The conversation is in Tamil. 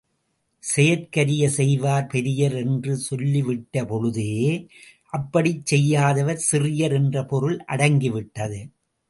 செயற்கரிய செய்வார் பெரியர் என்று சொல்லிவிட்டபொழுதே, அப்படிச் செய்யாதவர் சிறியர் என்ற பொருள் அடங்கிவிட்டது.